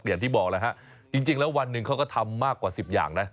อย่างที่บอกแล้วฮะจริงแล้ววันหนึ่งเขาก็ทำมากกว่า๑๐อย่างนะ